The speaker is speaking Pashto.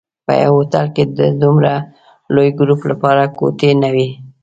په یوه هوټل کې د دومره لوی ګروپ لپاره کوټې نه وې.